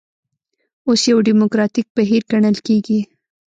اوس یو ډیموکراتیک بهیر ګڼل کېږي.